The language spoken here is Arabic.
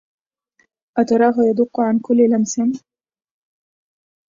أتراه يدق عن كل لمس